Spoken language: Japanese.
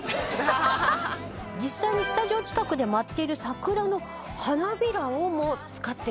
実際にスタジオ近くで舞っている桜の花びらをも使ってる。